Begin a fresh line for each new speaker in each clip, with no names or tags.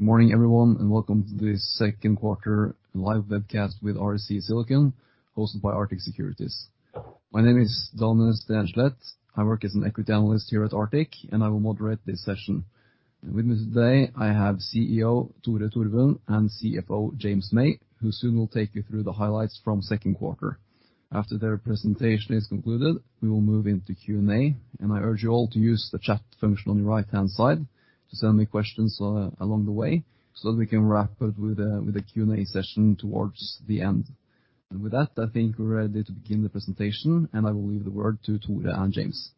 Good morning, everyone, and welcome to the second quarter live webcast with REC Silicon, hosted by Arctic Securities. My name is Daniel Stenslet. I work as an equity analyst here at Arctic, and I will moderate this session. And with me today, I have CEO Tore Torvund and CFO James May, who soon will take you through the highlights from second quarter. After their presentation is concluded, we will move into Q&A, and I urge you all to use the chat function on your right-hand side to send me questions along the way, so we can wrap up with a Q&A session towards the end. And with that, I think we're ready to begin the presentation, and I will leave the word to Tore and James.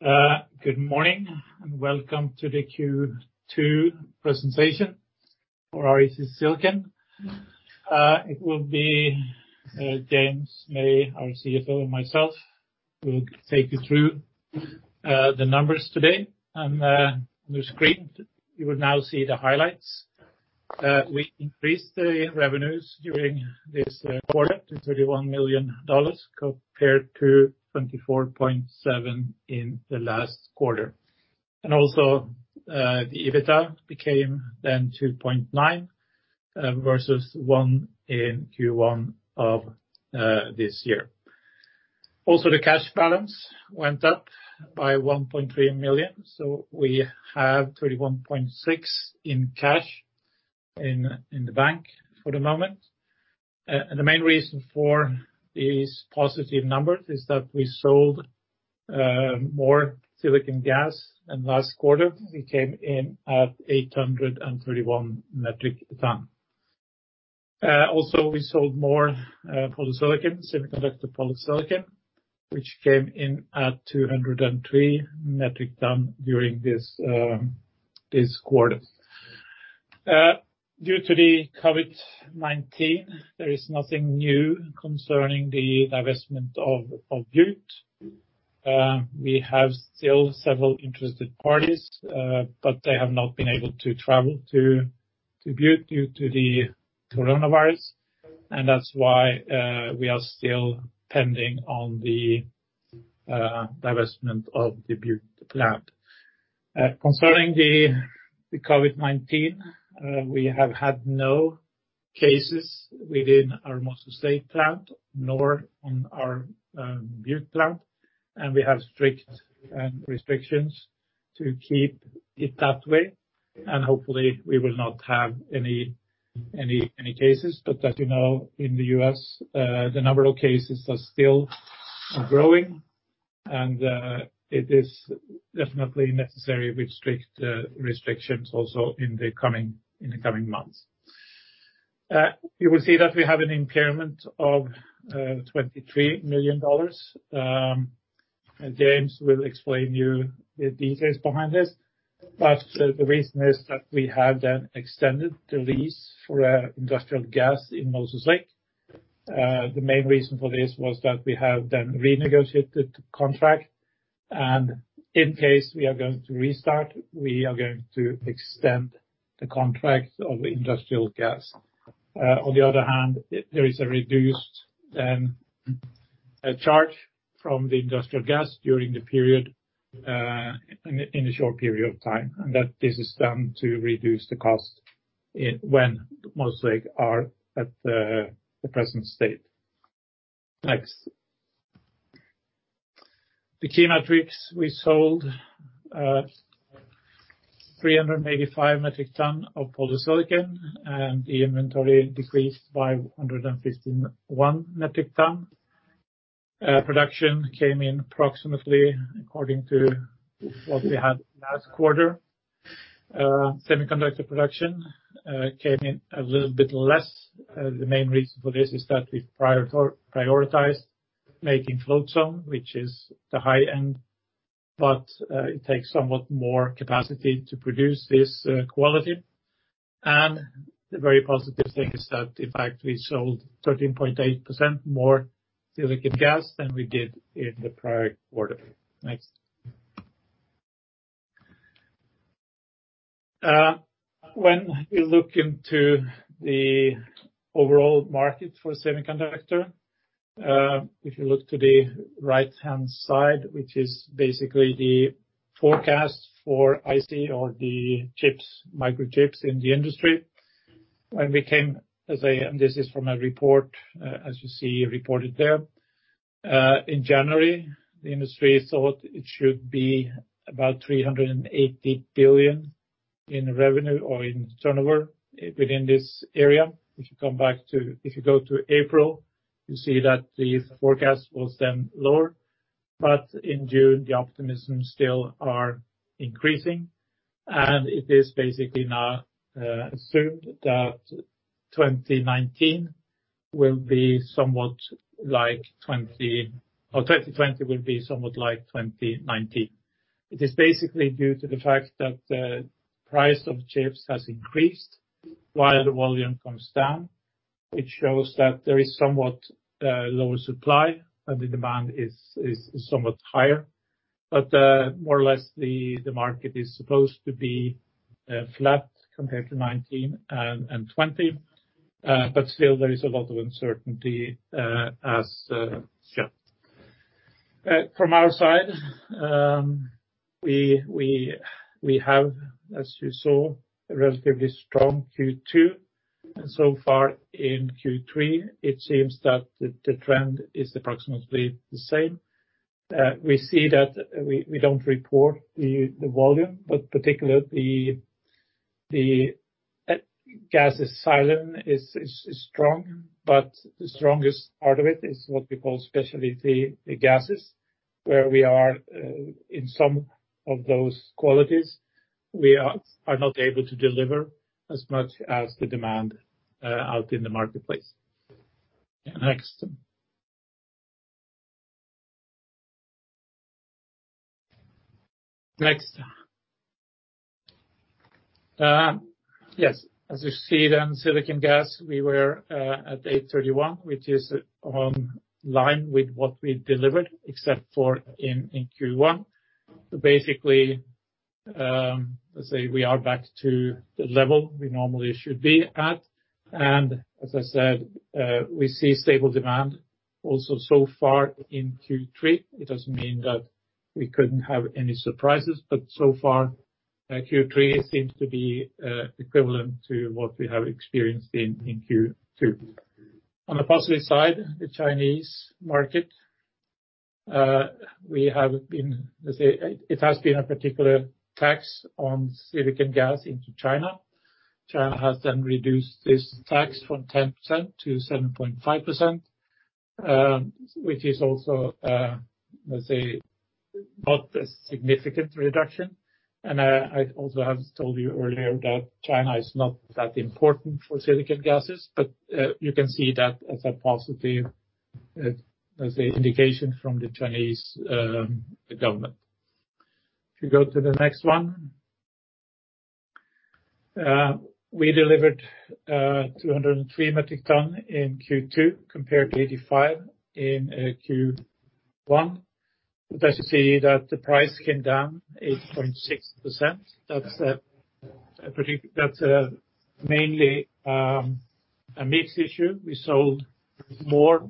Good morning, and welcome to the Q2 presentation for REC Silicon. It will be James May, our CFO, and myself will take you through the numbers today. On your screen, you will now see the highlights. We increased the revenues during this quarter to $31 million, compared to $24.7 million in the last quarter. Also, the EBITDA became then 2.9, versus 1 in Q1 of this year. Also, the cash balance went up by $1.3 million, so we have $31.6 million in cash in the bank for the moment. The main reason for these positive numbers is that we sold more silicon gas, and last quarter, we came in at 831 metric tons. Also, we sold more polysilicon, semiconductor polysilicon, which came in at 203 metric ton during this quarter. Due to the COVID-19, there is nothing new concerning the divestment of Butte. We have still several interested parties, but they have not been able to travel to Butte due to the coronavirus, and that's why we are still pending on the divestment of the Butte plant. Concerning the COVID-19, we have had no cases within our Moses Lake plant, nor on our Butte plant, and we have strict restrictions to keep it that way. And hopefully, we will not have any cases. But as you know, in the U.S., the number of cases are still growing, and it is definitely necessary with strict restrictions also in the coming months. You will see that we have an impairment of $23 million. And James will explain you the details behind this. But the reason is that we have then extended the lease for industrial gas in Moses Lake. The main reason for this was that we have then renegotiated the contract, and in case we are going to restart, we are going to extend the contract of industrial gas. On the other hand, there is a reduced charge from the industrial gas during the period, in a short period of time, and that this is done to reduce the cost when Moses Lake are at the present state. Next. The key metrics, we sold 385 metric ton of polysilicon, and the inventory decreased by 151 metric ton. Production came in approximately according to what we had last quarter. Semiconductor production came in a little bit less. The main reason for this is that we've prioritized making Float Zone, which is the high end, but it takes somewhat more capacity to produce this quality. And the very positive thing is that, in fact, we sold 13.8% more silicon gas than we did in the prior quarter. Next. When we look into the overall market for semiconductor, if you look to the right-hand side, which is basically the forecast for IC or the chips, microchips in the industry. This is from a report, as you see reported there. In January, the industry thought it should be about $380 billion in revenue or in turnover within this area. If you go to April, you see that the forecast was then lower, but in June, the optimism still are increasing, and it is basically now assumed that 2019 will be somewhat like 20 or 2020 will be somewhat like 2019. It is basically due to the fact that the price of chips has increased while the volume comes down, which shows that there is somewhat lower supply, and the demand is somewhat higher. But, more or less, the market is supposed to be flat compared to 2019 and 2020, but still there is a lot of uncertainty as yet. From our side, we have, as you saw, a relatively strong Q2, and so far in Q3, it seems that the trend is approximately the same. We see that we don't report the volume, but particularly, the silicon gas is strong, but the strongest part of it is what we call specialty gases, where we are in some of those qualities, we are not able to deliver as much as the demand out in the marketplace. Next. Yes, as you see then, silicon gas, we were at 831, which is in line with what we delivered, except for in Q1. Basically, let's say we are back to the level we normally should be at. And as I said, we see stable demand also so far in Q3. It doesn't mean that we couldn't have any surprises, but so far, Q3 seems to be equivalent to what we have experienced in Q2. On the positive side, the Chinese market, we have been, let's say, it has been a particular tax on silicon gas into China. China has then reduced this tax from 10% to 7.5%, which is also, let's say, not a significant reduction. And, I also have told you earlier that China is not that important for silicon gases, but, you can see that as a positive, as an indication from the Chinese government. If you go to the next one. We delivered 203 metric ton in Q2, compared to 85 in Q1. But as you see, that the price came down 8.6%. That's mainly a mix issue. We sold more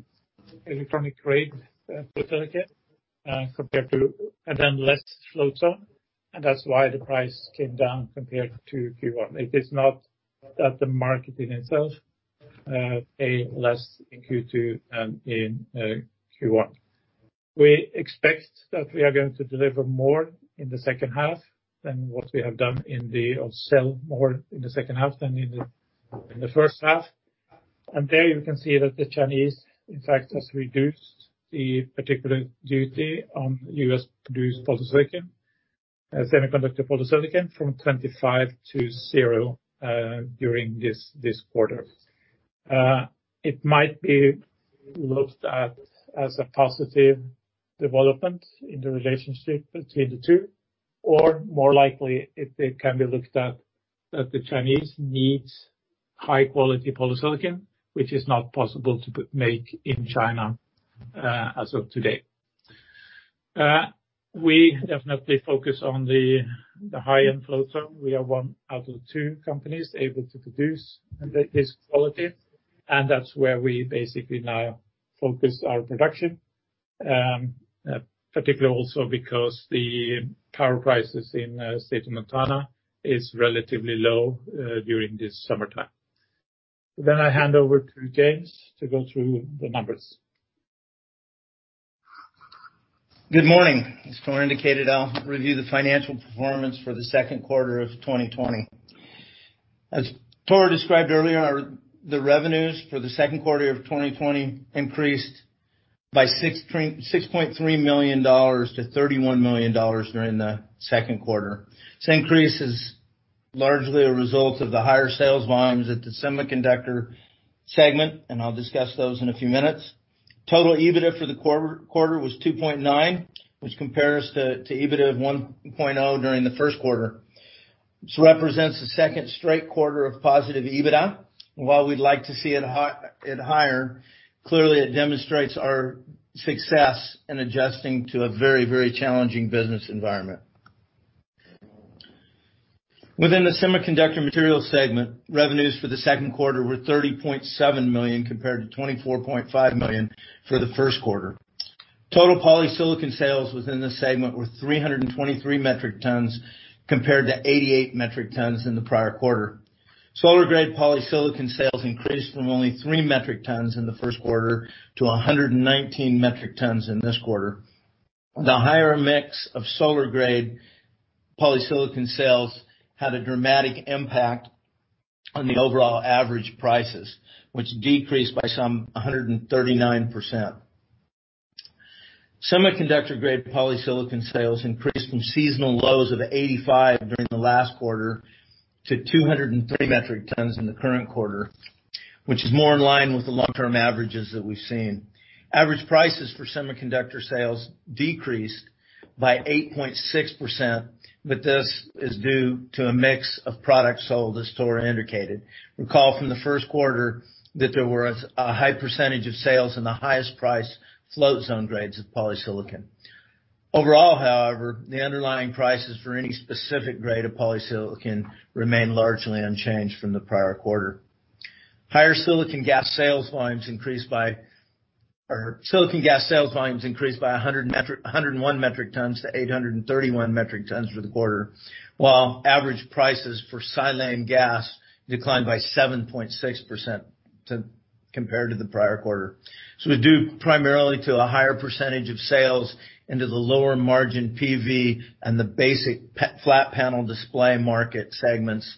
electronic grade polysilicon compared to, and then less Float Zone, and that's why the price came down compared to Q1. It is not that the market in itself pay less in Q2 than in Q1. We expect that we are going to deliver more in the second half than what we have done or sell more in the second half than in the first half. And there, you can see that the Chinese, in fact, has reduced the particular duty on U.S.-produced polysilicon, semiconductor polysilicon, from 25 to 0 during this, this quarter. It might be looked at as a positive development in the relationship between the two, or more likely, it, it can be looked at that the Chinese needs high quality polysilicon, which is not possible to make in China as of today. We definitely focus on the high-end Float Zone. We are one out of two companies able to produce this quality, and that's where we basically now focus our production. Particularly also because the power prices in the state of Montana is relatively low during this summertime. Then I hand over to James to go through the numbers.
Good morning. As Tore indicated, I'll review the financial performance for the second quarter of 2020. As Tore described earlier, our the revenues for the second quarter of 2020 increased by $6.3 million-$31 million during the second quarter. This increase is largely a result of the higher sales volumes at the semiconductor segment, and I'll discuss those in a few minutes. Total EBITDA for the quarter was $2.9 million, which compares to EBITDA of $1.0 million during the first quarter. This represents the second straight quarter of positive EBITDA. While we'd like to see it higher, clearly it demonstrates our success in adjusting to a very, very challenging business environment. Within the semiconductor material segment, revenues for the second quarter were $30.7 million, compared to $24.5 million for the first quarter. Total polysilicon sales within this segment were 323 metric tons, compared to 88 metric tons in the prior quarter. Solar-grade polysilicon sales increased from only 3 metric tons in the first quarter to 119 metric tons in this quarter. The higher mix of solar-grade polysilicon sales had a dramatic impact on the overall average prices, which decreased by some a 139%. Semiconductor-grade polysilicon sales increased from seasonal lows of 85 during the last quarter to 203 metric tons in the current quarter, which is more in line with the long-term averages that we've seen. Average prices for semiconductor sales decreased by 8.6%, but this is due to a mix of products sold, as Tor indicated. Recall from the first quarter, that there was a high percentage of sales in the highest price Float Zone grades of polysilicon. Overall, however, the underlying prices for any specific grade of polysilicon remain largely unchanged from the prior quarter. Higher silicon gas sales volumes increased by, or silicon gas sales volumes increased by 101 metric tons to 831 metric tons for the quarter, while average prices for silane gas declined by 7.6% compared to the prior quarter. So this is due primarily to a higher percentage of sales into the lower margin PV and the basic flat panel display market segments,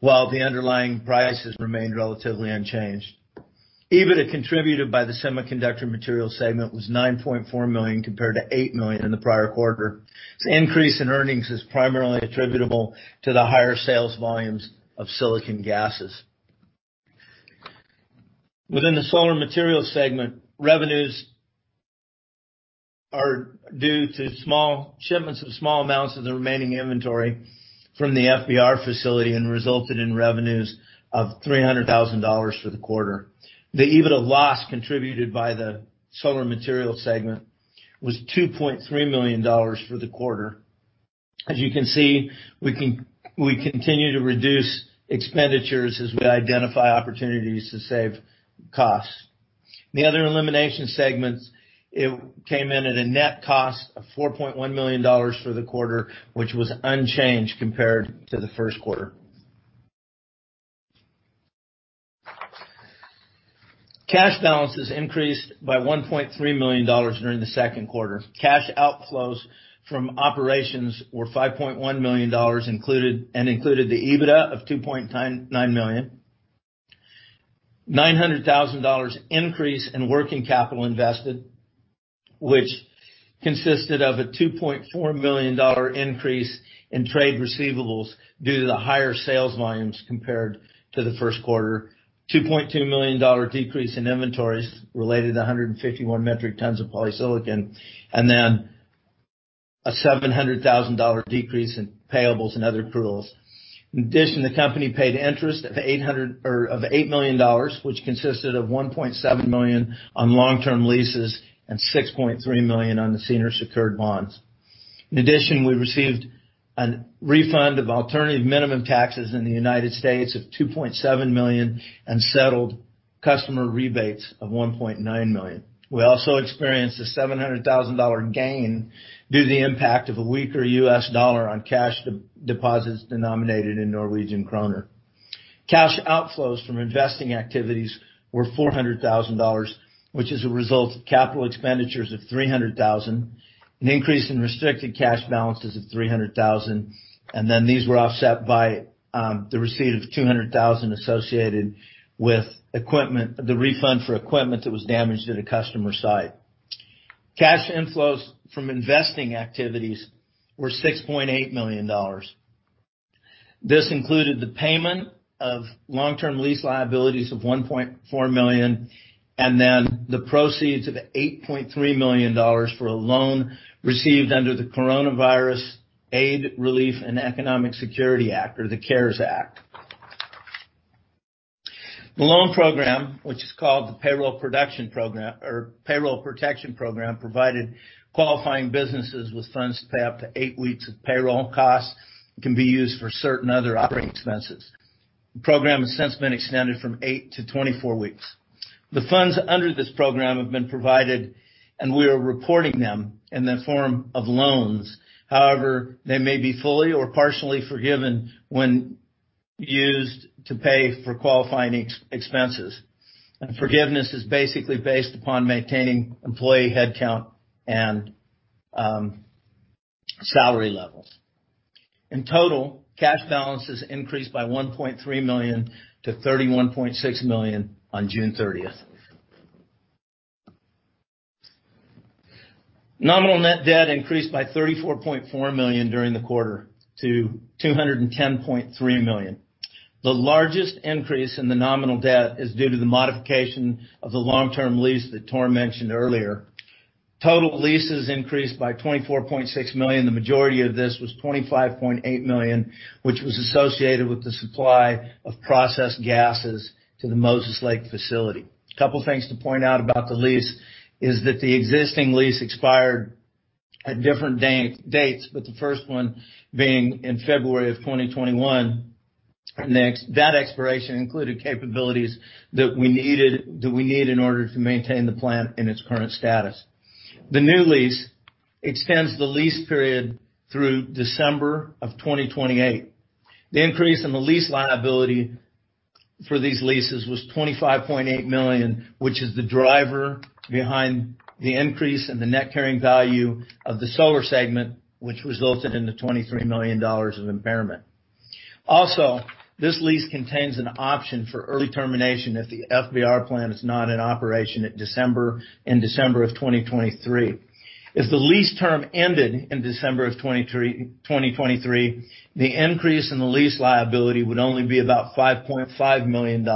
while the underlying prices remained relatively unchanged. EBITDA contributed by the semiconductor materials segment was $9.4 million, compared to $8 million in the prior quarter. This increase in earnings is primarily attributable to the higher sales volumes of silicon gases. Within the solar materials segment, revenues are due to small shipments of small amounts of the remaining inventory from the FBR facility and resulted in revenues of $300,000 for the quarter. The EBITDA loss contributed by the solar materials segment was $2.3 million for the quarter. As you can see, we continue to reduce expenditures as we identify opportunities to save costs. The other elimination segments, it came in at a net cost of $4.1 million for the quarter, which was unchanged compared to the first quarter. Cash balances increased by $1.3 million during the second quarter. Cash outflows from operations were $5.1 million included, and included the EBITDA of $2.99 million. $900,000 increase in working capital invested, which consisted of a $2.4 million increase in trade receivables due to the higher sales volumes compared to the first quarter. $2.2 million decrease in inventories related to 151 metric tons of polysilicon, and then a $700,000 decrease in payables and other accruals. In addition, the company paid interest of $8 million, which consisted of $1.7 million on long-term leases and $6.3 million on the senior secured bonds. In addition, we received a refund of alternative minimum taxes in the United States of $2.7 million and settled customer rebates of $1.9 million. We also experienced a $700,000 gain due to the impact of a weaker U.S. dollar on cash deposits denominated in Norwegian kroner. Cash outflows from investing activities were $400,000, which is a result of capital expenditures of $300,000, an increase in restricted cash balances of $300,000, and then these were offset by the receipt of $200,000 associated with equipment, the refund for equipment that was damaged at a customer site. Cash inflows from investing activities were $6.8 million. This included the payment of long-term lease liabilities of $1.4 million, and then the proceeds of $8.3 million for a loan received under the Coronavirus Aid, Relief, and Economic Security Act, or the CARES Act. The loan program, which is called the Paycheck Protection Program, provided qualifying businesses with funds to pay up to 8 weeks of payroll costs, and can be used for certain other operating expenses. The program has since been extended from 8 to 24 weeks. The funds under this program have been provided, and we are reporting them in the form of loans. However, they may be fully or partially forgiven when used to pay for qualifying expenses. Forgiveness is basically based upon maintaining employee headcount and salary levels. In total, cash balances increased by $1.3 million-$31.6 million on June thirtieth. Nominal net debt increased by $34.4 million during the quarter to $210.3 million. The largest increase in the nominal debt is due to the modification of the long-term lease that Tore mentioned earlier. Total leases increased by $24.6 million. The majority of this was $25.8 million, which was associated with the supply of processed gases to the Moses Lake facility. A couple things to point out about the lease is that the existing lease expired at different dates, but the first one being in February of 2021. And next, that expiration included capabilities that we needed, that we need in order to maintain the plant in its current status. The new lease extends the lease period through December of 2028. The increase in the lease liability for these leases was $25.8 million, which is the driver behind the increase in the net carrying value of the solar segment, which resulted in the $23 million of impairment. Also, this lease contains an option for early termination if the FBR plant is not in operation at December, in December of 2023. If the lease term ended in December of 2023, the increase in the lease liability would only be about $5.5 million,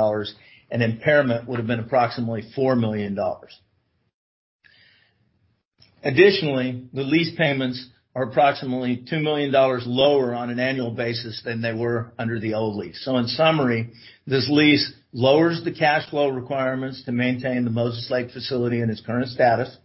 and impairment would have been approximately $4 million. Additionally, the lease payments are approximately $2 million lower on an annual basis than they were under the old lease. So in summary, this lease lowers the cash flow requirements to maintain the Moses Lake facility in its current status.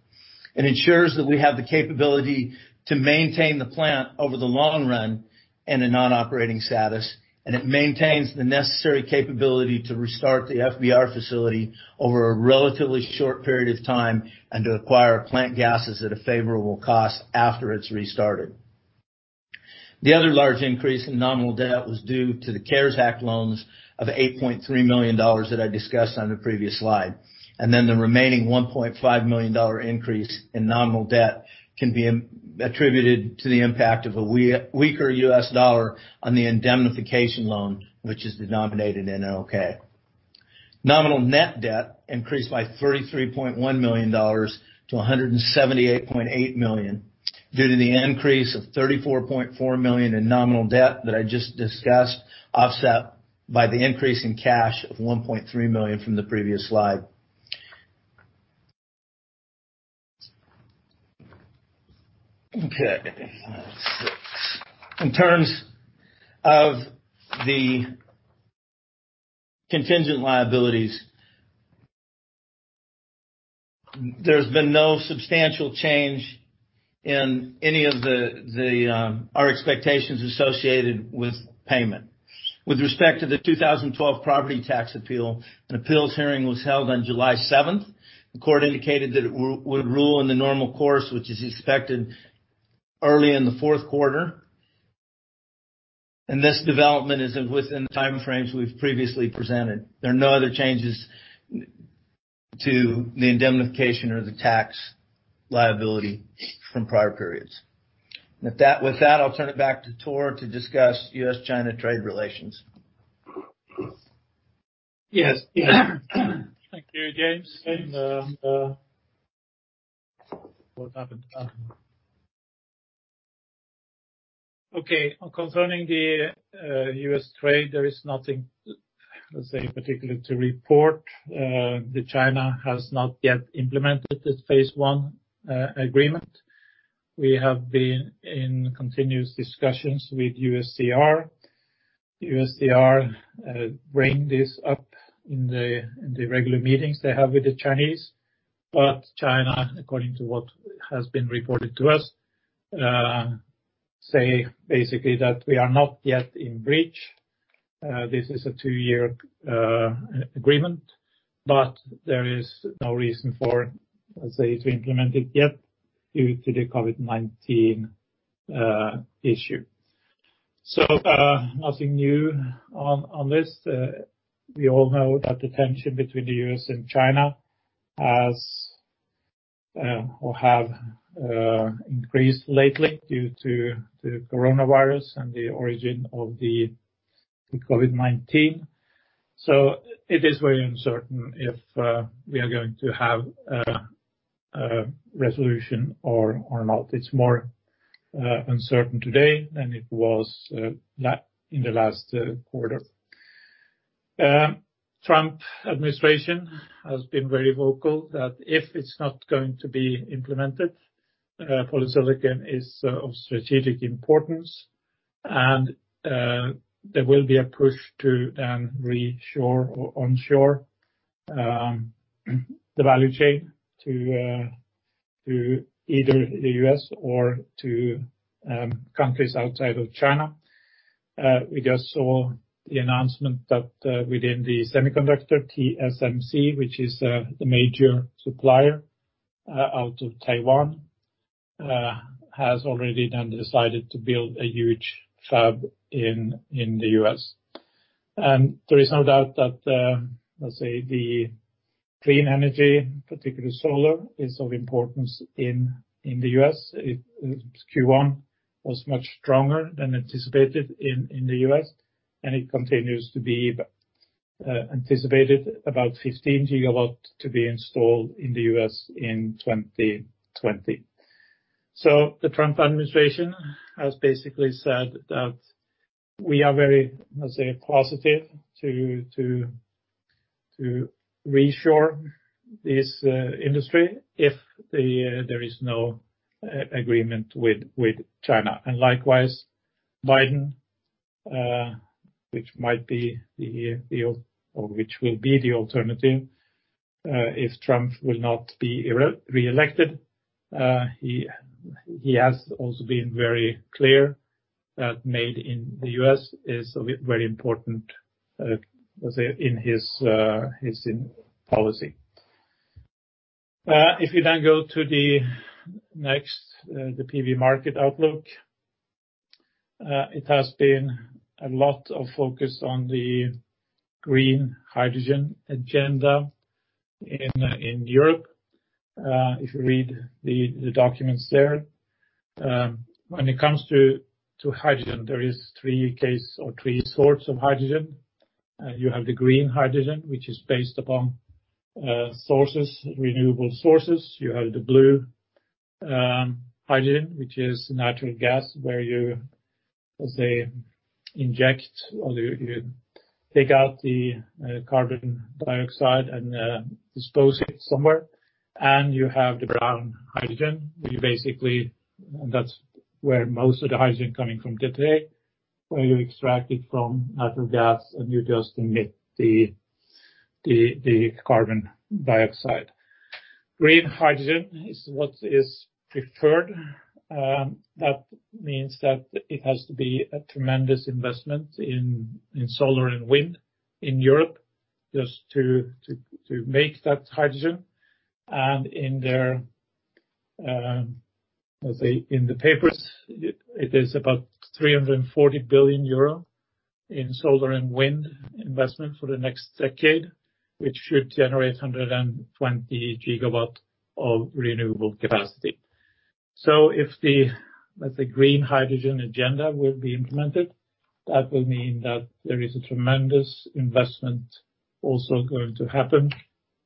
It ensures that we have the capability to maintain the plant over the long run in a non-operating status, and it maintains the necessary capability to restart the FBR facility over a relatively short period of time, and to acquire plant gases at a favorable cost after it's restarted. The other large increase in nominal debt was due to the CARES Act loans of $8.3 million that I discussed on the previous slide, and then the remaining $1.5 million increase in nominal debt can be attributed to the impact of a weaker U.S. dollar on the indemnification loan, which is denominated in NOK. Nominal net debt increased by $33.1 million-$178.8 million, due to the increase of $34.4 million in nominal debt that I just discussed, offset by the increase in cash of $1.3 million from the previous slide. Okay. Six. In terms of the contingent liabilities, there's been no substantial change in any of our expectations associated with payment. With respect to the 2012 property tax appeal, an appeals hearing was held on July seventh. The court indicated that it would rule in the normal course, which is expected early in the fourth quarter. This development is within the timeframes we've previously presented. There are no other changes to the indemnification or the tax liability from prior periods. With that, I'll turn it back to Tore to discuss U.S.-China trade relations.
Yes. Thank you, James. Okay, concerning the U.S. trade, there is nothing, let's say, particularly to report. China has not yet implemented its phase one agreement. We have been in continuous discussions with USTR. USTR bring this up in the regular meetings they have with the Chinese. But China, according to what has been reported to us, say basically that we are not yet in breach. This is a two-year agreement, but there is no reason for, let's say, it's implemented yet due to the COVID-19 issue. So, nothing new on this. We all know that the tension between the U.S. and China has or have increased lately due to the coronavirus and the origin of the COVID-19. So it is very uncertain if we are going to have a resolution or not. It's more uncertain today than it was in the last quarter. Trump administration has been very vocal that if it's not going to be implemented, polysilicon is of strategic importance, and there will be a push to reshore or onshore the value chain to either the U.S. or to countries outside of China. We just saw the announcement that within the semiconductor TSMC, which is the major supplier out of Taiwan, has already then decided to build a huge fab in the U.S. And there is no doubt that, let's say, the clean energy, particularly solar, is of importance in the U.S. It, Q1 was much stronger than anticipated in, in the U.S., and it continues to be anticipated about 15GW to be installed in the U.S. in 2020. So the Trump administration has basically said that we are very, let's say, positive to reshore this industry if the, there is no agreement with, with China. And likewise, Biden, which might be the, the or which will be the alternative, if Trump will not be reelected. He has also been very clear that made in the U.S. is very important, let's say, in his, his policy. If you then go to the next, the PV market outlook, it has been a lot of focus on the green hydrogen agenda in, in Europe, if you read the, the documents there. When it comes to, to hydrogen, there is three case or three sorts of hydrogen. You have the green hydrogen, which is based upon sources, renewable sources. You have the blue hydrogen, which is natural gas, where you, let's say, inject, or you, you take out the carbon dioxide and dispose it somewhere. And you have the brown hydrogen, where you basically. And that's where most of the hydrogen coming from today, where you extract it from natural gas, and you just emit the carbon dioxide. Green hydrogen is what is preferred. That means that it has to be a tremendous investment in, in solar and wind in Europe, just to make that hydrogen. In their, let's say, in the papers, it is about 340 billion euro in solar and wind investment for the next decade, which should generate 120GW of renewable capacity. So if the, let's say, green hydrogen agenda will be implemented, that will mean that there is a tremendous investment also going to happen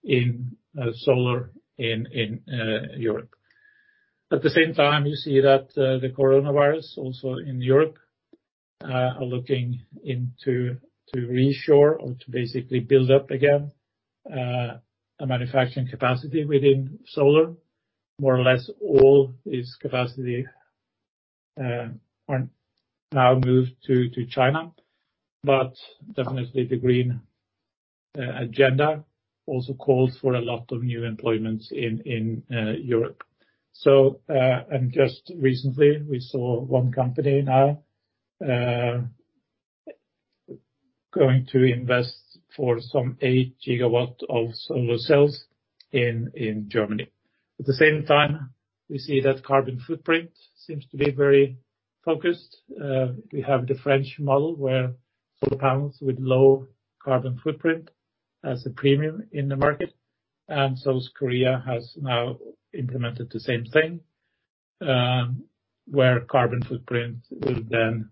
in, solar in, in, Europe. At the same time, you see that, the coronavirus, also in Europe, are looking into to reassure or to basically build up again, a manufacturing capacity within solar. More or less, all this capacity, are now moved to China, but definitely the green, agenda also calls for a lot of new employments in, in, Europe. Just recently, we saw one company now going to invest for some 8GW of solar cells in Germany. At the same time, we see that carbon footprint seems to be very focused. We have the French model, where solar panels with low carbon footprint as a premium in the market, and South Korea has now implemented the same thing, where carbon footprint will then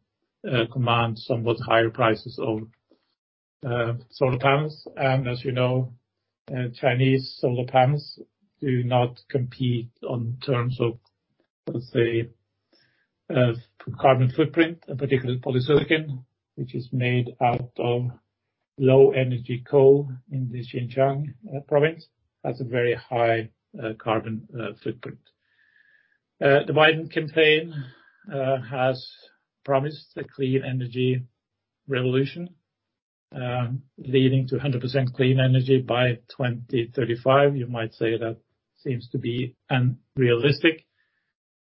command somewhat higher prices of solar panels. As you know, Chinese solar panels do not compete on terms of, let's say, carbon footprint, in particular, polysilicon, which is made out of low energy coal in the Xinjiang province, has a very high carbon footprint. The Biden campaign has promised a clean energy revolution, leading to 100% clean energy by 2035. You might say that seems to be unrealistic,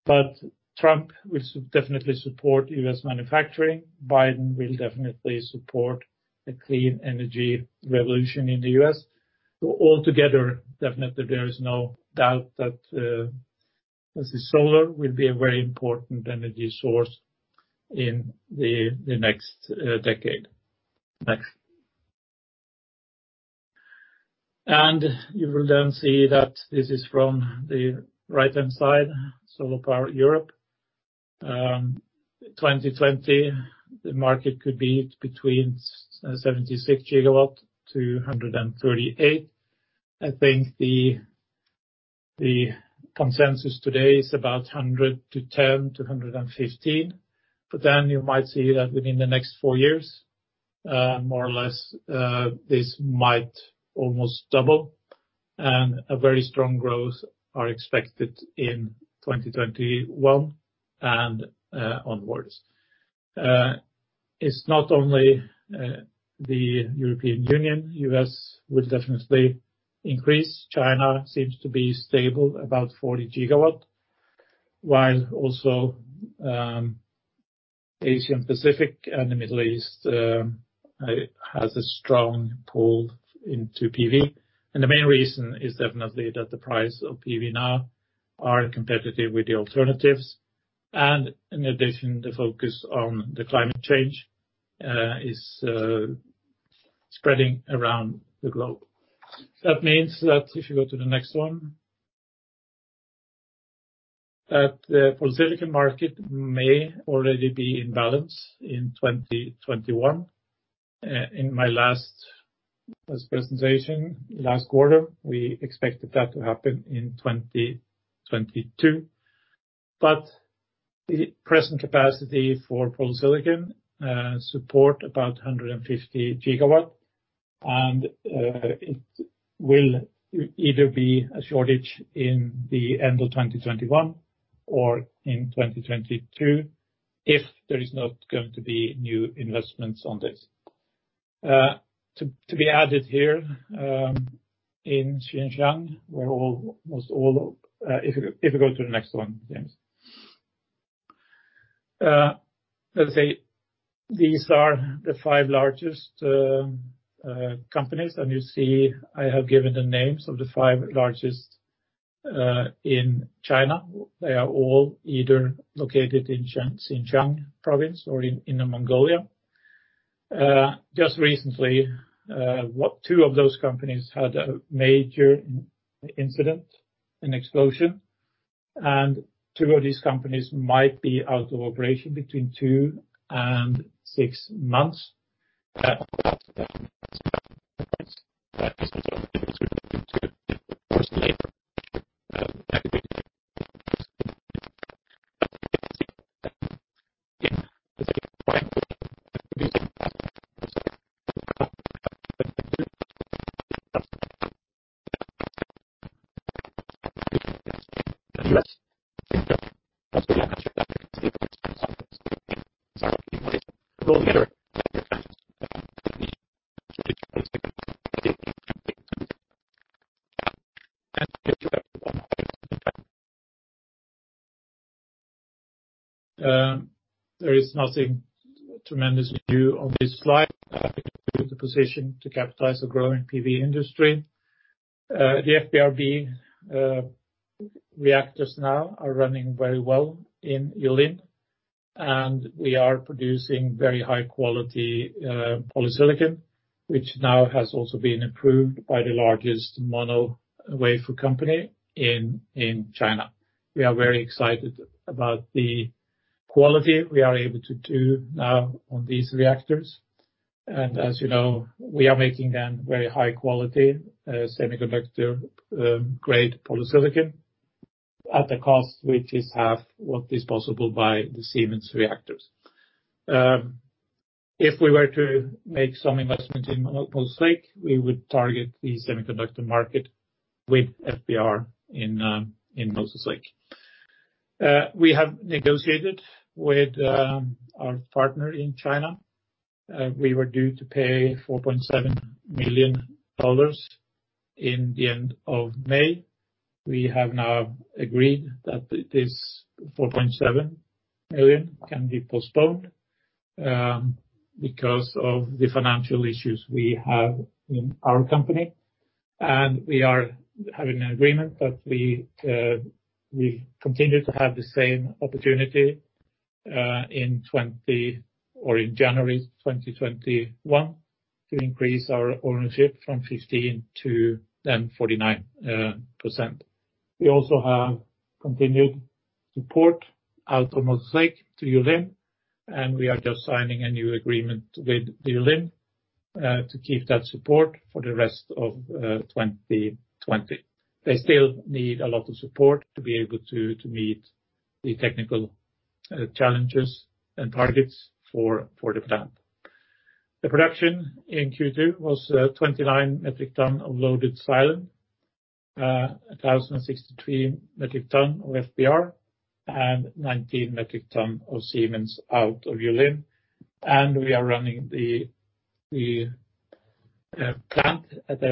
but Trump will definitely support U.S. manufacturing. Biden will definitely support a clean energy revolution in the U.S. So altogether, definitely, there is no doubt that, as the solar will be a very important energy source in the next, decade. Next. And you will then see that this is from the right-hand side, SolarPower Europe. 2020, the market could be between, 76GW-138GW. I think the, the consensus today is about 110-115, but then you might see that within the next four years, more or less, this might almost double, and a very strong growth are expected in 2021 and, onwards. It's not only, the European Union, U.S. will definitely increase. China seems to be stable, about 40GW, while also, Asia Pacific and the Middle East, has a strong pull into PV. And the main reason is definitely that the price of PV now are competitive with the alternatives, and in addition, the focus on the climate change, is, spreading around the globe. That means that if you go to the next one, that the polysilicon market may already be in balance in 2021. In my last presentation, last quarter, we expected that to happen in 2022, but the present capacity for polysilicon, support about 150GW and, it will either be a shortage in the end of 2021 or in 2022, if there is not going to be new investments on this. To be added here in Xinjiang, where almost all, if you go to the next one, James. Let's say these are the five largest companies, and you see, I have given the names of the five largest in China. They are all either located in Xinjiang province or in Inner Mongolia. Just recently, what two of those companies had a major incident, an explosion, and two of these companies might be out of operation between two and six months. There is nothing tremendous new on this slide. With the position to capitalize the growing PV industry. The FBR reactors now are running very well in Yulin, and we are producing very high quality polysilicon, which now has also been approved by the largest mono wafer company in China. We are very excited about the quality we are able to do now on these reactors, and as you know, we are making them very high quality, semiconductor-grade polysilicon at a cost, which is half what is possible by the Siemens reactors. If we were to make some investment in Moses Lake, we would target the semiconductor market with FBR in Moses Lake. We have negotiated with our partner in China. We were due to pay $4.7 million in the end of May. We have now agreed that this $4.7 million can be postponed, because of the financial issues we have in our company. We are having an agreement that we continue to have the same opportunity in January 2021 to increase our ownership from 15% to then 49%. We also have continued support out of Moses Lake to Yulin, and we are just signing a new agreement with Yulin to keep that support for the rest of 2020. They still need a lot of support to be able to meet the technical challenges and targets for the plant. The production in Q2 was 29 metric ton of loaded silane, 1,063 metric ton of FBR, and 19 metric ton of Siemens out of Yulin. We are running the plant at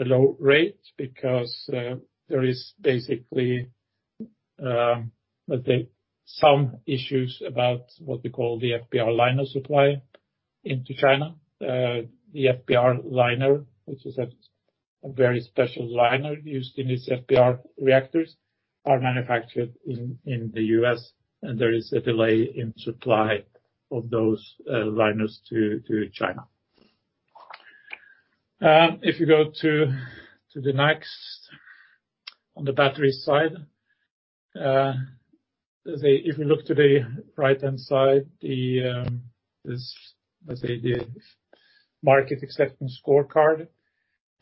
a low rate because there is basically let's say some issues about what we call the FBR liner supply into China. The FBR liner, which is a very special liner used in these FBR reactors, are manufactured in the U.S., and there is a delay in supply of those liners to China. If you go to the next, on the battery side. Let's say if you look to the right-hand side, this, let's say, the market acceptance scorecard.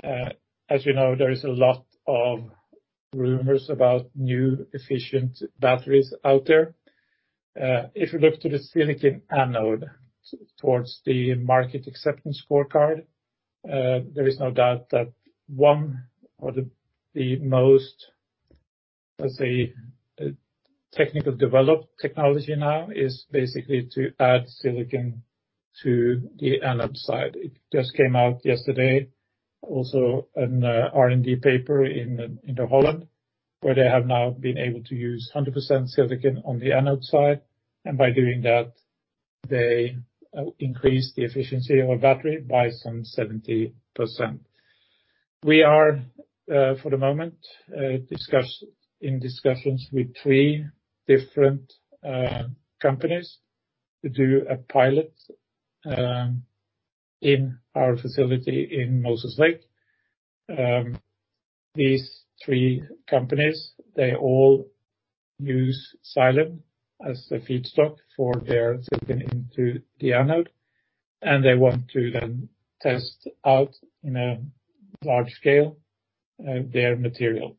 As you know, there is a lot of rumors about new efficient batteries out there. If you look to the silicon anode towards the market acceptance scorecard, there is no doubt that one or the, the most, let's say, technical developed technology now is basically to add silicon to the anode side. It just came out yesterday, also in a R&D paper in, in the Holland, where they have now been able to use 100% silicon on the anode side, and by doing that, they increase the efficiency of a battery by some 70%. We are, for the moment, in discussions with three different companies to do a pilot in our facility in Moses Lake. These three companies, they all use silane as the feedstock for their silicon into the anode, and they want to then test out in a large scale their material.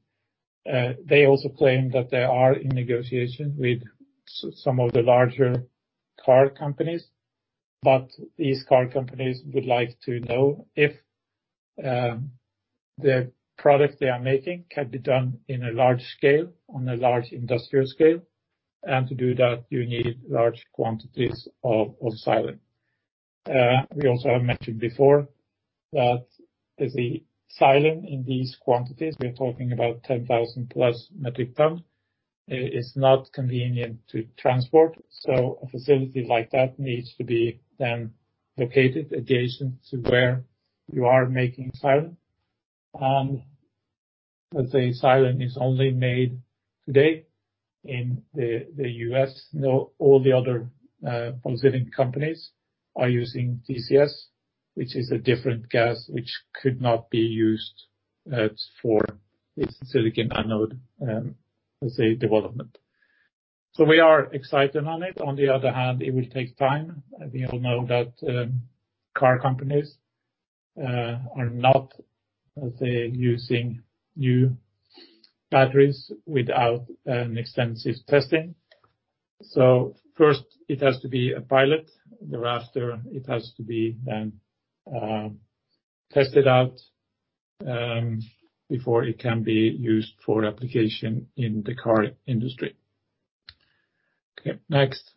They also claim that they are in negotiation with some of the larger car companies, but these car companies would like to know if the product they are making can be done in a large scale, on a large industrial scale. And to do that, you need large quantities of, of silane. We also have mentioned before that the silane in these quantities, we are talking about 10,000+ metric ton, is not convenient to transport, so a facility like that needs to be then located adjacent to where you are making silane. And let's say silane is only made today in the U.S. know, all the other silane companies are using TCS, which is a different gas, which could not be used for the silicon anode, let's say, development. So we are excited on it. On the other hand, it will take time, and we all know that, car companies are not, let's say, using new batteries without an extensive testing. So first, it has to be a pilot. Thereafter, it has to be then tested out before it can be used for application in the car industry. Okay, next.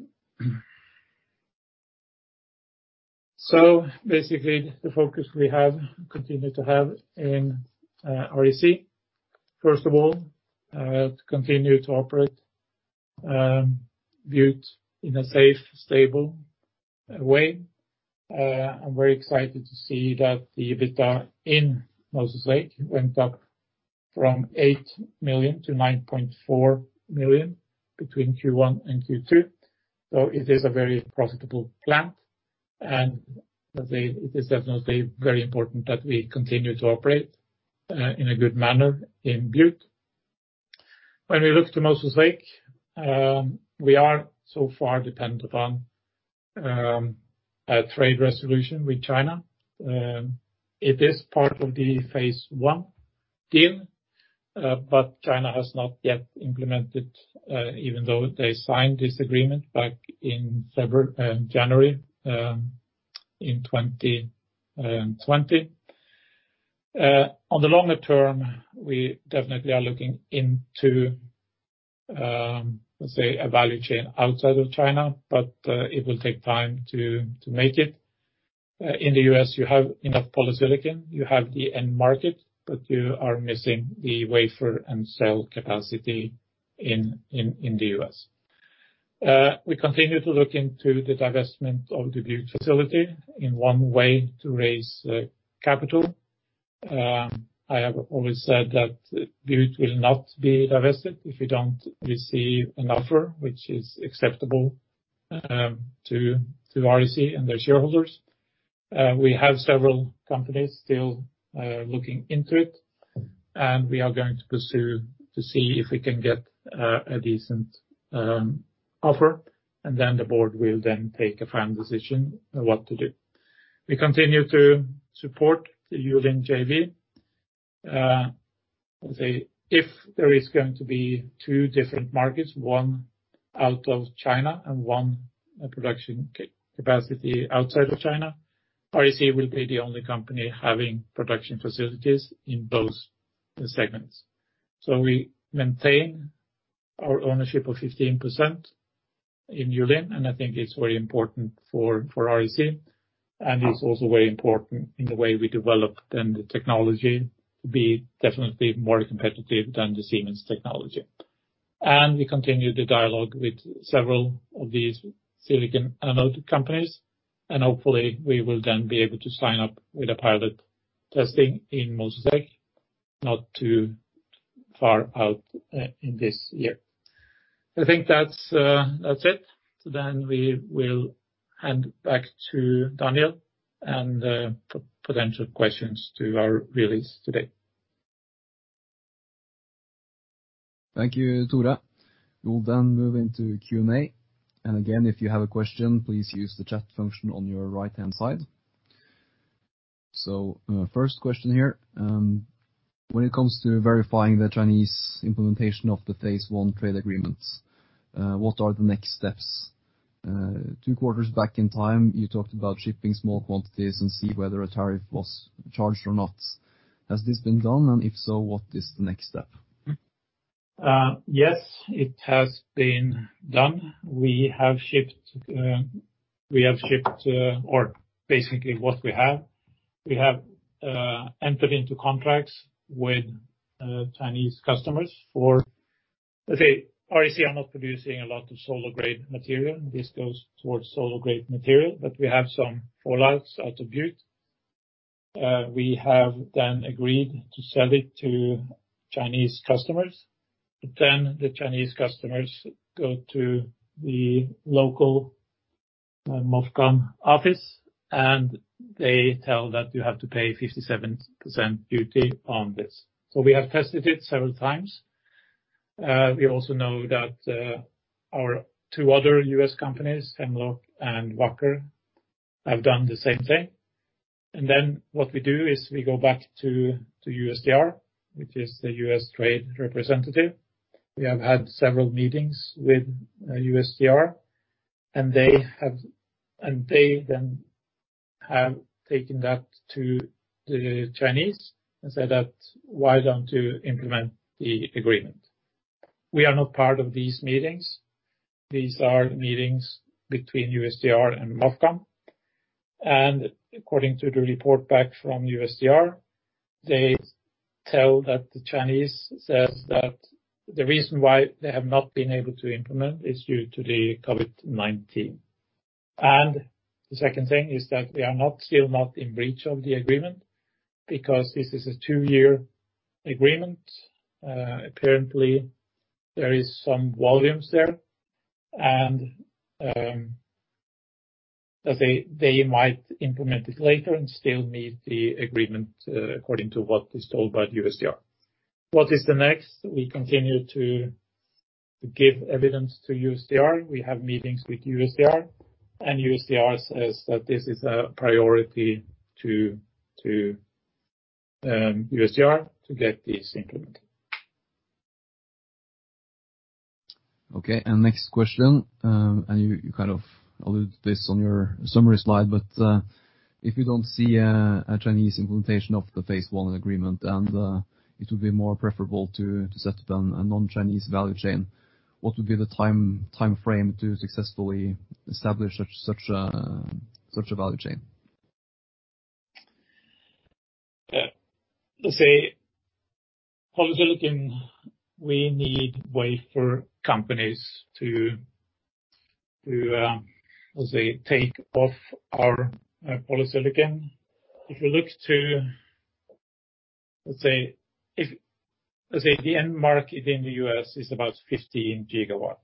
So basically, the focus we have, continue to have in REC. First of all, to continue to operate Butte in a safe, stable way. I'm very excited to see that the EBITDA in Moses Lake went up from $8 million-$9.4 million between Q1 and Q2. So it is a very profitable plant, and let's say, it is definitely very important that we continue to operate in a good manner in Butte. When we look to Moses Lake, we are so far dependent upon a trade resolution with China. It is part of the phase 1 deal, but China has not yet implemented, even though they signed this agreement back in January 2020. On the longer term, we definitely are looking into, let's say, a value chain outside of China, but it will take time to make it. In the U.S., you have enough polysilicon, you have the end market, but you are missing the wafer and cell capacity in the U.S. We continue to look into the divestment of the Butte facility in one way to raise capital. I have always said that Butte will not be divested if we don't receive an offer which is acceptable, to REC and their shareholders. We have several companies still, looking into it, and we are going to pursue to see if we can get, a decent, offer, and then the board will then take a final decision on what to do. We continue to support the Yulin JV. Let's say, if there is going to be two different markets, one out of China and one production capacity outside of China, REC will be the only company having production facilities in both the segments. So we maintain our ownership of 15% in Yulin, and I think it's very important for REC, and it's also very important in the way we develop then the technology to be definitely more competitive than the Siemens technology. And we continue the dialogue with several of these silicon anode companies, and hopefully, we will then be able to sign up with a pilot testing in Moses Lake, not too far out, in this year. I think that's it. So then we will hand back to Daniel and potential questions to our release today.
Thank you, Tore. We'll then move into Q&A. And again, if you have a question, please use the chat function on your right-hand side. First question here, when it comes to verifying the Chinese implementation of the phase 1 trade agreements, what are the next steps? Two quarters back in time, you talked about shipping small quantities and see whether a tariff was charged or not. Has this been done, and if so, what is the next step?
Yes, it has been done. We have shipped, or basically what we have, we have entered into contracts with Chinese customers for, let's say, REC are not producing a lot of solar-grade material. This goes towards solar-grade material, but we have some fallouts out of Butte. We have then agreed to sell it to Chinese customers, but then the Chinese customers go to the local MOFCOM office, and they tell that you have to pay 57% duty on this. So we have tested it several times. We also know that our two other U.S. companies, Hemlock and Wacker, have done the same thing. And then what we do is we go back to USTR, which is the U.S. Trade Representative. We have had several meetings with USTR, and they then have taken that to the Chinese and said that, "Why don't you implement the agreement?" We are not part of these meetings. These are meetings between USTR and MOFCOM, and according to the report back from USTR, they tell that the Chinese says that the reason why they have not been able to implement is due to the COVID-19. And the second thing is that they are not, still not in breach of the agreement, because this is a two-year agreement. Apparently, there is some volumes there, and, let's say, they might implement it later and still meet the agreement, according to what is told by the USTR. What is the next? We continue to give evidence to USTR. We have meetings with USTR, and USTR says that this is a priority to get this implemented.
Okay, and next question. And you kind of alluded to this on your summary slide, but if you don't see a Chinese implementation of the phase 1 agreement and it would be more preferable to set up a non-Chinese value chain, what would be the timeframe to successfully establish such a value chain?
Let's say polysilicon, we need wafer companies to, let's say, take off our polysilicon. If you look to, let's say, the end market in the U.S. is about 15GW.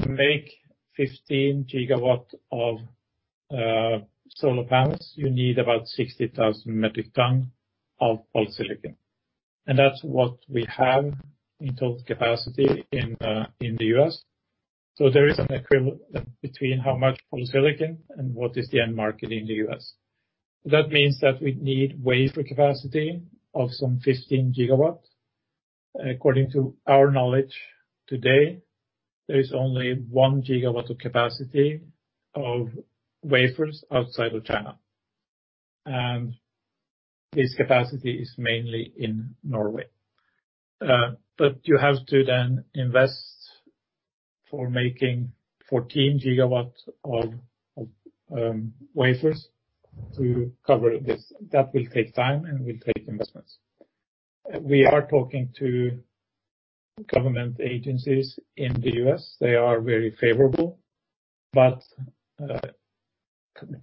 To make 15GW of solar panels, you need about 60,000 metric tons of polysilicon, and that's what we have in total capacity in the U.S. So there is an equivalent between how much polysilicon and what is the end market in the U.S. That means that we need wafer capacity of some 15GW. According to our knowledge today, there is only 1GW of capacity of wafers outside of China, and this capacity is mainly in Norway. But you have to then invest for making 14GW of wafers to cover this. That will take time and will take investments. We are talking to government agencies in the U.S., they are very favorable, but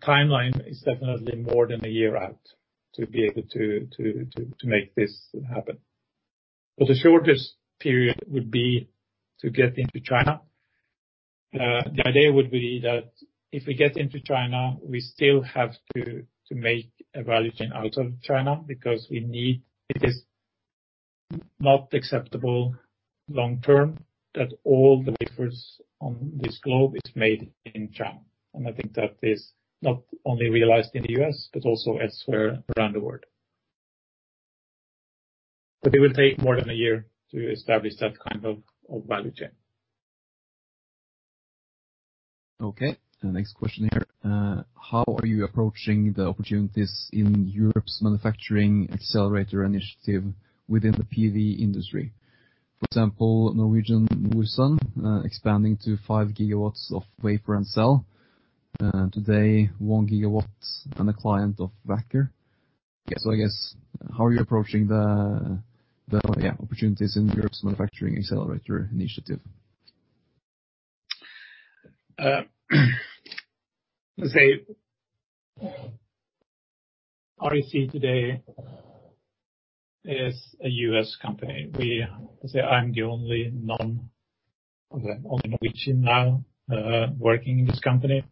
timeline is definitely more than a year out to be able to make this happen. But the shortest period would be to get into China. The idea would be that if we get into China, we still have to make a value chain out of China because we need, it is not acceptable long term, that all the wafers on this globe is made in China. And I think that is not only realized in the U.S., but also elsewhere around the world. But it will take more than a year to establish that kind of value chain.
Okay, next question here. How are you approaching the opportunities in Europe's manufacturing accelerator initiative within the PV industry? For example, NorSun expanding to 5GW of wafer and cell. Today, 1GW and a client of Wacker. So I guess, how are you approaching the opportunities in Europe's manufacturing accelerator initiative?
Let's say, REC today is a U.S. company. I say, I'm the only Norwegian now working in this company.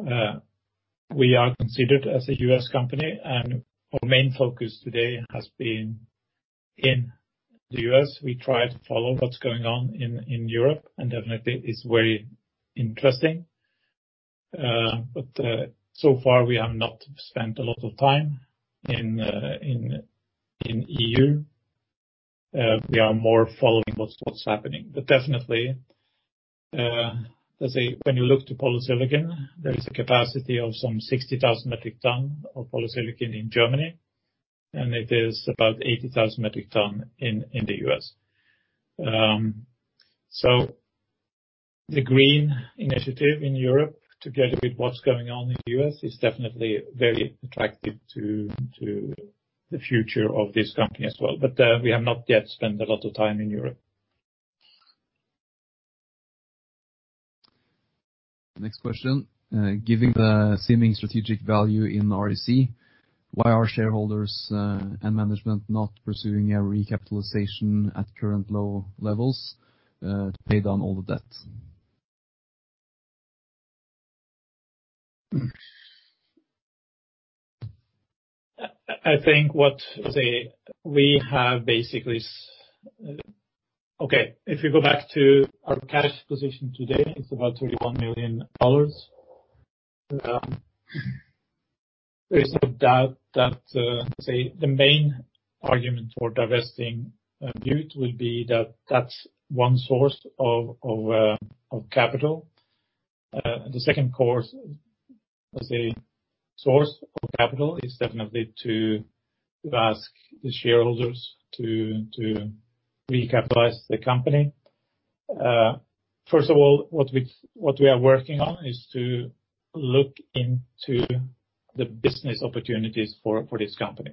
We are considered as a U.S. company, and our main focus today has been in the U.S. We try to follow what's going on in Europe, and definitely it's very interesting. But so far, we have not spent a lot of time in the E.U. We are more following what's happening. But definitely, let's say, when you look to polysilicon, there is a capacity of some 60,000 metric tons of polysilicon in Germany, and it is about 80,000 metric tons in the U.S. So the green initiative in Europe, together with what's going on in the U.S., is definitely very attractive to the future of this company as well. We have not yet spent a lot of time in Europe.
Next question. Given the seeming strategic value in REC, why are shareholders and management not pursuing a recapitalization at current low levels to pay down all the debt?
I think what we have basically, okay, if you go back to our cash position today, it's about $31 million. There is no doubt that the main argument for divesting Butte will be that that's one source of capital. The second source of capital is definitely to ask the shareholders to recapitalize the company. First of all, what we are working on is to look into the business opportunities for this company.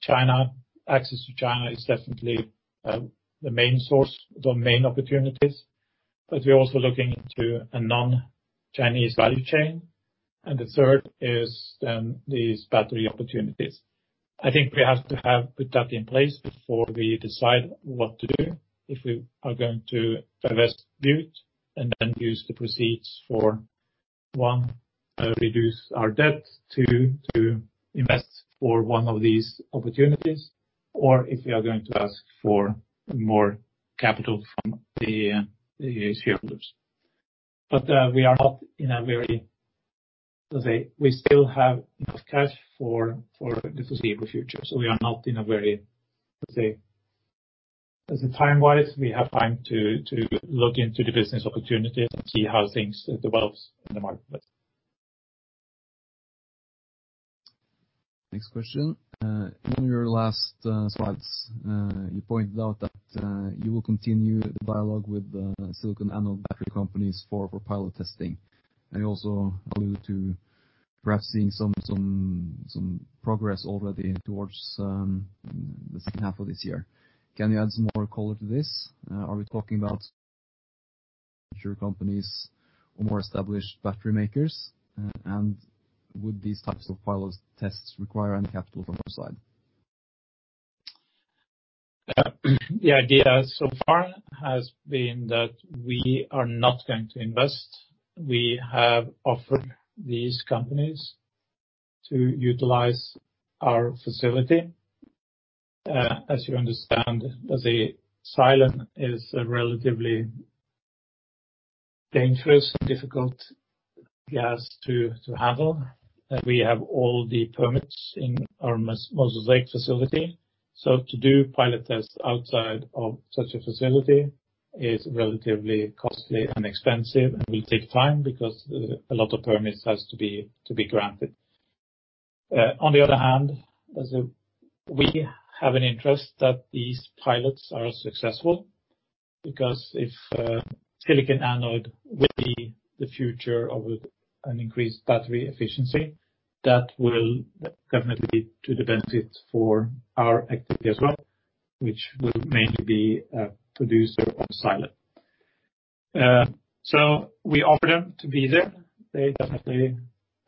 China, access to China is definitely the main source, the main opportunities, but we're also looking into a non-Chinese value chain, and the third is then these battery opportunities. I think we have to have put that in place before we decide what to do, if we are going to divest Butte and then use the proceeds for, one, reduce our debt, two, to invest for one of these opportunities, or if we are going to ask for more capital from the, the shareholders. But, we are not in a very, let's say, we still have enough cash for, for the foreseeable future. So we are not in a very, let's say, as a time-wise, we have time to, to look into the business opportunities and see how things develops in the market.
Next question. On your last slides, you pointed out that you will continue the dialogue with the silicon anode battery companies for pilot testing, and also allude to perhaps seeing some progress already towards the second half of this year. Can you add some more color to this? Are we talking about startup companies or more established battery makers? And would these types of pilot tests require any capital from our side?
The idea so far has been that we are not going to invest. We have offered these companies to utilize our facility. As you understand, silane is a relatively dangerous and difficult gas to handle, and we have all the permits in our Moses Lake facility. So to do pilot tests outside of such a facility is relatively costly and expensive, and will take time because a lot of permits has to be granted. On the other hand, we have an interest that these pilots are successful, because if silicon anode will be the future of an increased battery efficiency, that will definitely be to the benefit for our activity as well, which will mainly be a producer of silane. So we offer them to be there. They definitely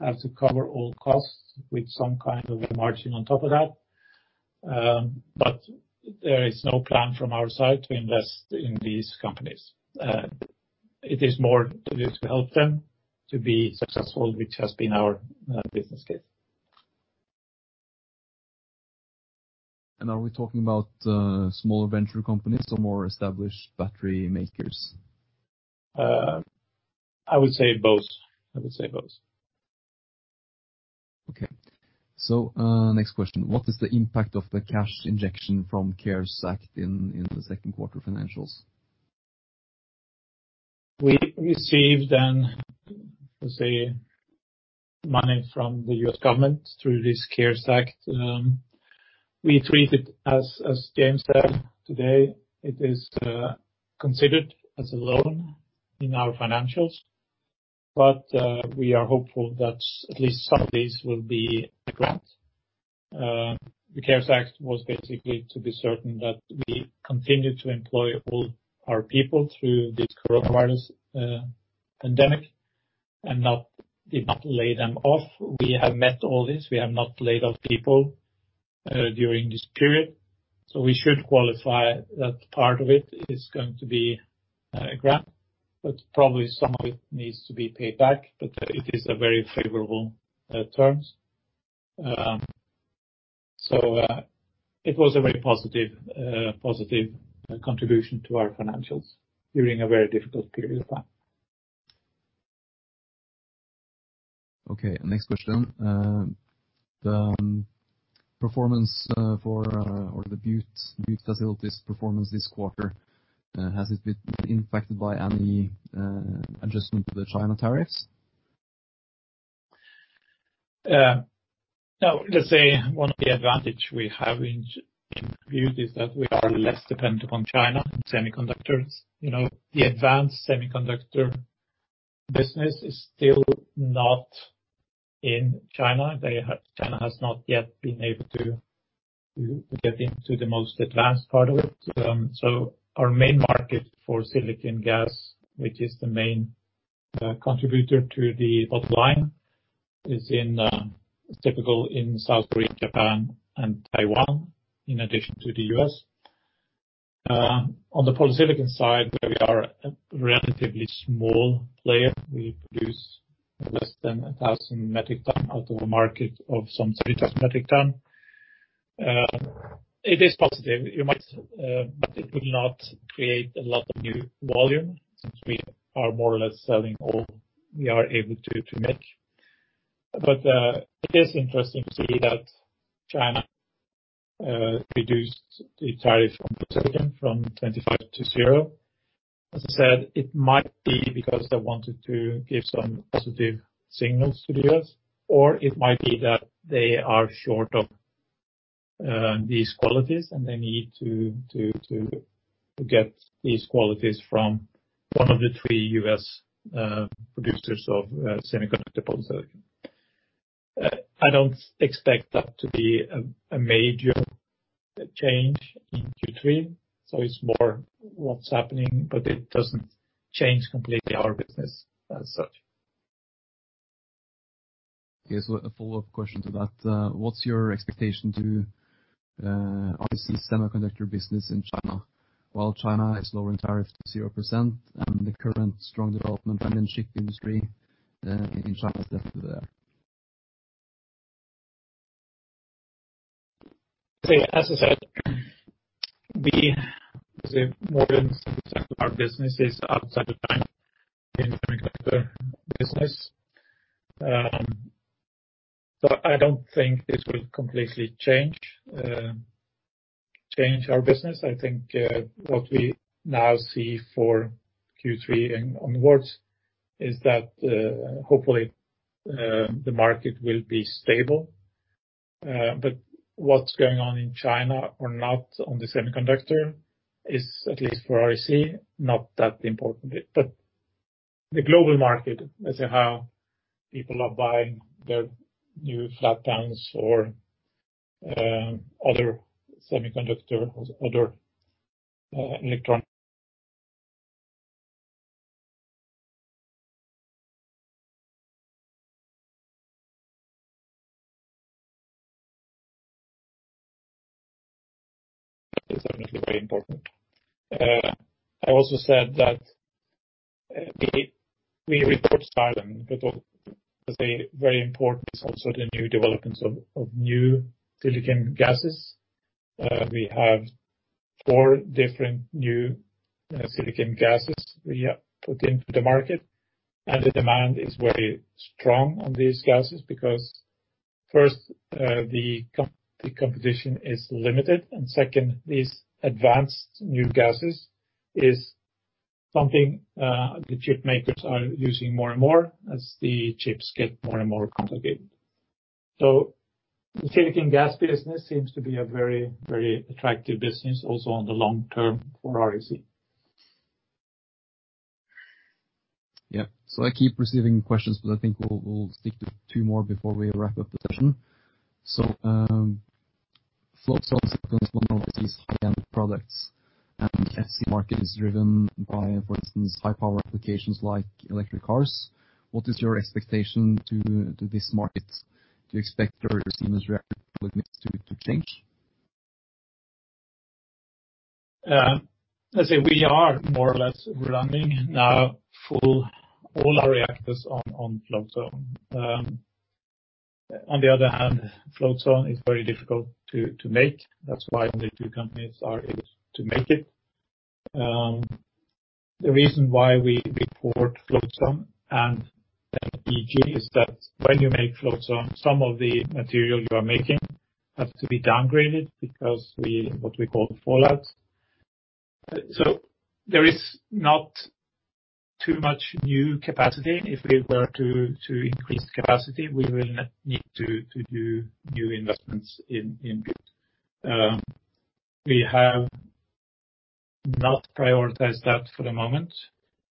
have to cover all costs with some kind of a margin on top of that. But there is no plan from our side to invest in these companies. It is more to help them to be successful, which has been our business case.
Are we talking about smaller venture companies or more established battery makers?
I would say both.
Okay. So, next question: What is the impact of the cash injection from CARES Act in the second quarter financials?
We received then, let's say, money from the U.S. government through this CARES Act. We treat it as, as James said today, it is considered as a loan in our financials, but we are hopeful that at least some of these will be a grant. The CARES Act was basically to be certain that we continued to employ all our people through this coronavirus pandemic, and did not lay them off. We have met all this. We have not laid off people during this period, so we should qualify that part of it is going to be grant, but probably some of it needs to be paid back, but it is a very favorable terms. So it was a very positive positive contribution to our financials during a very difficult period of time.
Okay, next question. The performance for the Butte, Butte facility's performance this quarter, has it been impacted by any adjustment to the China tariffs?
Now, let's say one of the advantage we have in Butte is that we are less dependent on China in semiconductors. You know, the advanced semiconductor business is still not in China. They have, China has not yet been able to get into the most advanced part of it. So our main market for silicon gas, which is the main contributor to the bottom line, is typically in South Korea, Japan, and Taiwan, in addition to the U.S. On the polysilicon side, where we are a relatively small player, we produce less than 1,000 metric ton out of a market of some 3,000 metric ton. It is positive. You might... But it would not create a lot of new volume, since we are more or less selling all we are able to make. But, it is interesting to see that China reduced the tariff from polysilicon from 25 to 0. As I said, it might be because they wanted to give some positive signals to the U.S., or it might be that they are short of these qualities, and they need to get these qualities from one of the three U.S. producers of semiconductor polysilicon. I don't expect that to be a major change in Q3, so it's more what's happening, but it doesn't change completely our business as such.
Yes, a follow-up question to that. What's your expectation to, obviously, semiconductor business in China, while China is lowering tariff to 0% and the current strong development and in chip industry, in China is there?
As I said, we, more than our business is outside of time in business. So I don't think this will completely change our business. I think, what we now see for Q3 and onwards is that, hopefully, the market will be stable. But what's going on in China or not on the semiconductor, is at least for REC, not that important. But the global market, as in how people are buying their new flat panels or, other semiconductor, other, electronic is certainly very important. I also said that, we, we report silane, but as a very important, also the new developments of, of new silicon gases. We have four different new silicon gases we have put into the market, and the demand is very strong on these gases, because first, the competition is limited, and second, these advanced new gases is something the chip makers are using more and more as the chips get more and more complicated. So the silicon gas business seems to be a very, very attractive business, also on the long term for REC.
Yeah. So I keep receiving questions, but I think we'll stick to two more before we wrap up the session. So, Float Zone silicon is one of these high-end products, and the SiC market is driven by, for instance, high power applications like electric cars. What is your expectation to this market? Do you expect your Siemens is reacting with this to change?
Let's say we are more or less running now full all our reactors on Float Zone. On the other hand, Float Zone is very difficult to make. That's why the two companies are able to make it. The reason why we report Float Zone and EG is that when you make Float Zone, some of the material you are making has to be downgraded because what we call outfalls. So there is not too much new capacity. If we were to increase capacity, we will not need to do new investments in. We have not prioritized that for the moment.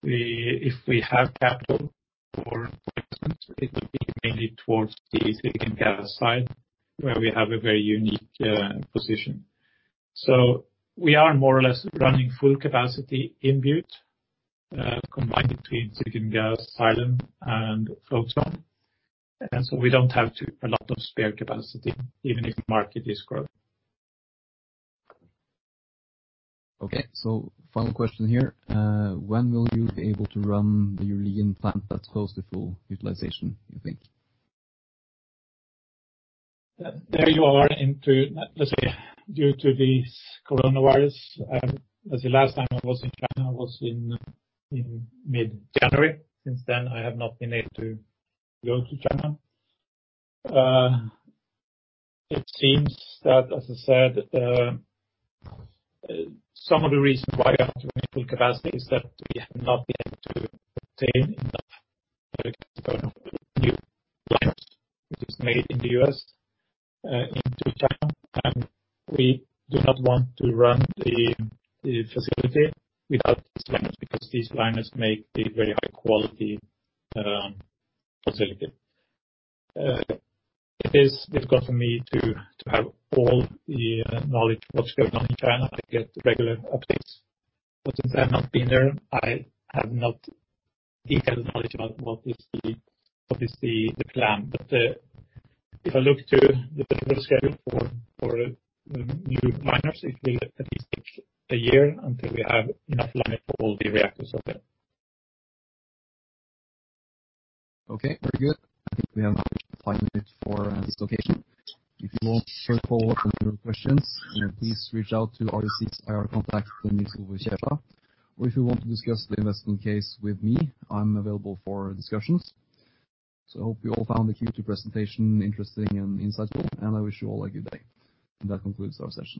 If we have capital for investments, it will be mainly towards the silicon gas side, where we have a very unique position. We are more or less running full capacity in Butte, combined between silicon gas, silane, and Float Zone. We don't have a lot of spare capacity, even if the market is growing.
Okay, so final question here. When will you be able to run the Yulin plant at close to full utilization, you think?
There you are into, let's say, due to this coronavirus, as the last time I was in China was in mid-January. Since then, I have not been able to go to China. It seems that, as I said, some of the reasons why we have to full capacity is that we have not been able to obtain enough new liners, which is made in the U.S., into China, and we do not want to run the facility without these liners, because these liners make the very high quality facility. It is difficult for me to have all the knowledge of what's going on in China. I get regular updates, but since I've not been there, I have not detailed knowledge about what is the, what is the plan. But, if I look to the typical schedule for new miners, it will at least take a year until we have enough liner for all the reactors out there.
Okay, very good. I think we have timed it for this location. If you want to follow up on your questions, please reach out to REC's IR contact, Nils Ove Kjerstad. Or if you want to discuss the investment case with me, I'm available for discussions. So I hope you all found the Q2 presentation interesting and insightful, and I wish you all a good day. That concludes our session.